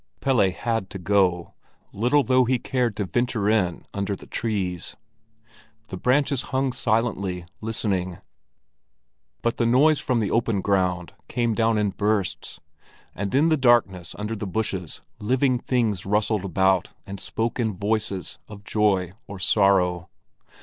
Pelle had to go, little though he cared to venture in under the trees. The branches hung silently listening, but the noise from the open ground came down in bursts, and in the darkness under the bushes living things rustled about and spoke in voices of joy or sorrow.